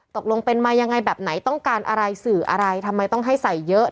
ตกลงเป็นมายังไงแบบไหนต้องการอะไรสื่ออะไรทำไมต้องให้ใส่เยอะ